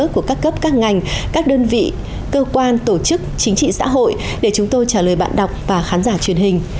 của các cấp các ngành các đơn vị cơ quan tổ chức chính trị xã hội để chúng tôi trả lời bạn đọc và khán giả truyền hình